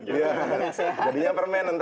jadinya permen nanti